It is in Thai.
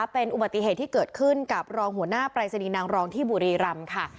เป็นอุบัติเหตุที่เกิดขึ้นกับรองหัวหน้าปรายศนีย์นางรองที่บุรีรำค่ะ